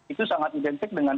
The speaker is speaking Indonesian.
itu sangat identifikan dengan